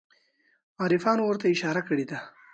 عارفانو ورته اشاره کړې ده.